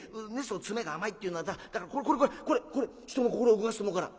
で詰めが甘いっていうのはだからこれこれこれこれこれ人の心を動かすと思うから」。